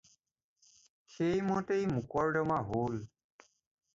সেই মতেই মোকৰ্দমা হ'ল।